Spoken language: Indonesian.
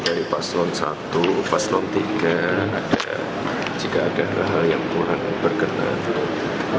dari paslon satu paslon tiga jika ada hal hal yang kurang berkenan